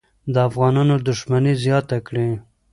د افغانانو دښمني زیاته کړي.